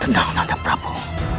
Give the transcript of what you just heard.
tenang nanda prabu